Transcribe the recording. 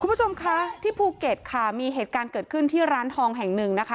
คุณผู้ชมคะที่ภูเก็ตค่ะมีเหตุการณ์เกิดขึ้นที่ร้านทองแห่งหนึ่งนะคะ